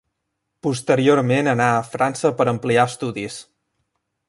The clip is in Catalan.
Posteriorment anà a França per ampliar estudis.